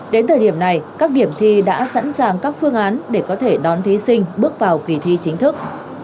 đến thời điểm này các điểm thi đã sẵn sàng các phương án để có thể đón thí sinh bước vào kỳ thi chính thức